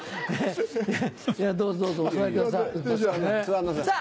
どうぞどうぞお座りください。